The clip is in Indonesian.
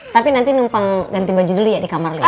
tapi nanti numpang ganti baju dulu ya di kamar lihat